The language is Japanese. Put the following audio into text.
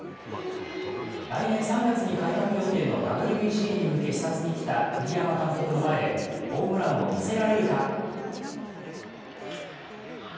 来年３月に開幕予定のＷＢＣに向け視察に来た栗山監督の前でホームランを見せられるか？